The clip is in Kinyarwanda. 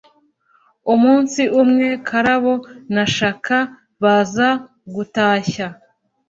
umunsi umwe, karabo na shaka baza gutashya,